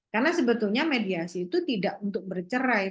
karena sebetulnya mediasi itu tidak untuk bercerai